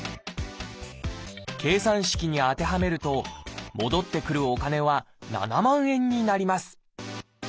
計算式に当てはめると戻ってくるお金は７万円になります